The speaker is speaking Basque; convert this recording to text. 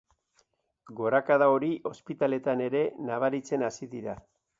Gorakada hori ospitaleetan ere nabaritzen hasi dira.